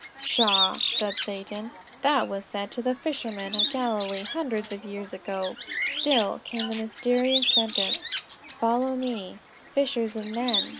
"Pshaw," said Satan, "that was said to the fishermen at Galilee hundreds of years ago." Still came the mysterious sentence: "Follow me;" "fishers of men!"